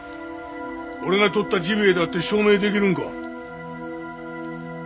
俺がとったジビエだって証明できるんか？